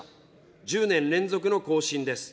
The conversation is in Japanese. １０年連続の更新です。